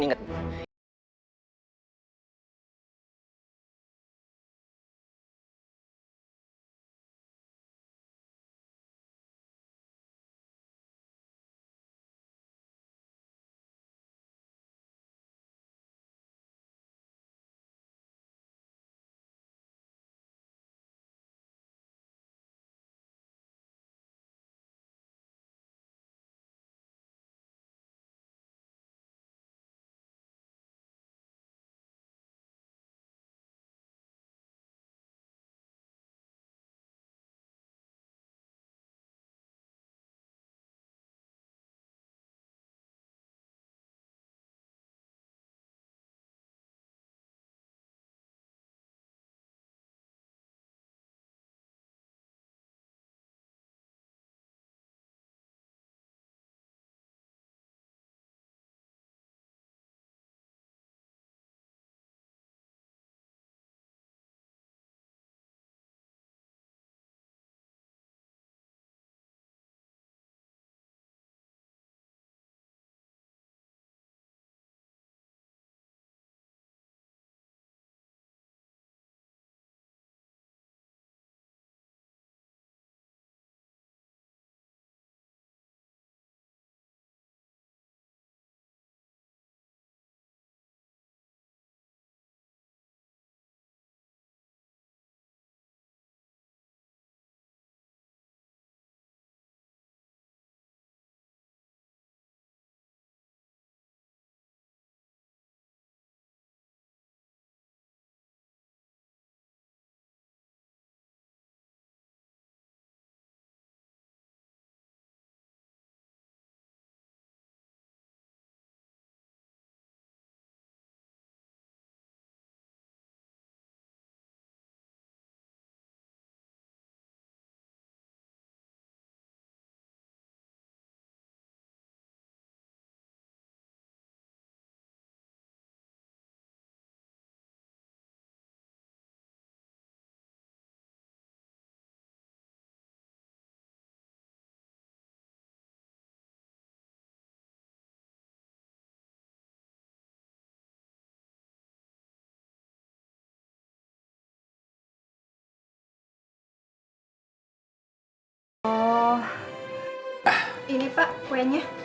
ini pak kuenya